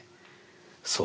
そう。